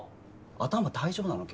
頭大丈夫なの？